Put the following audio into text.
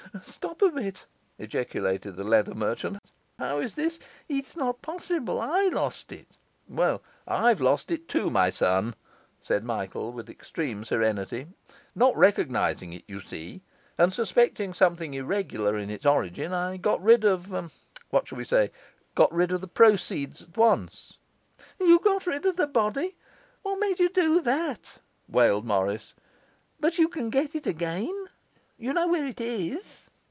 'Stop a bit,' ejaculated the leather merchant. 'How is this? It's not possible. I lost it.' 'Well, I've lost it too, my son,' said Michael, with extreme serenity. 'Not recognizing it, you see, and suspecting something irregular in its origin, I got rid of what shall we say? got rid of the proceeds at once.' 'You got rid of the body? What made you do that?' walled Morris. 'But you can get it again? You know where it is?